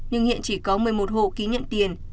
nhưng hiện chỉ có một mươi một hộ ký nhận tiền